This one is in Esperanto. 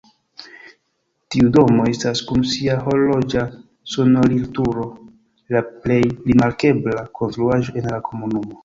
Tiu domo estas kun sia horloĝa sonorilturo la plej rimarkebla konstruaĵo en la komunumo.